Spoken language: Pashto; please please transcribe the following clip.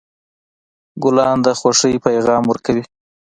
ګلان د خوښۍ پیغام ورکوي.